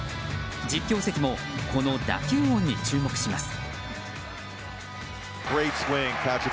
実況席もこの打球音に注目します。